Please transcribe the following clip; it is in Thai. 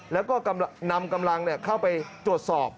แล้วก็นำกำลังเนี่ยเข้าไปจวดสอบ